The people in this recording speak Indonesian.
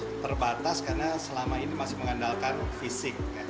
masih terbatas karena selama ini masih mengandalkan fisik